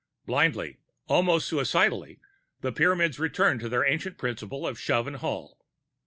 Blindly, almost suicidally, the Pyramids returned to their ancient principle of shove and haul.